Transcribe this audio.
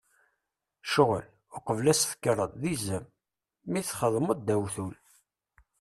Ccɣel, uqbel ad as-tekkreḍ, d izem! Mi t-txedmeḍ, d awtul.